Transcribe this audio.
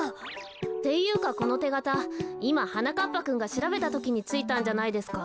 っていうかこのてがたいまはなかっぱくんがしらべたときについたんじゃないですか？